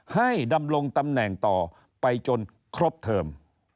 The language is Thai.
ดำรงตำแหน่งต่อไปจนครบเทิม